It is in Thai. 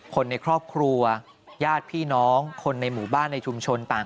คนในครอบครัวญาติพี่น้องคนในหมู่บ้านในชุมชนต่าง